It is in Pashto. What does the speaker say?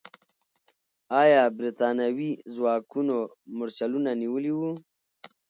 آیا برتانوي ځواکونو مرچلونه نیولي وو؟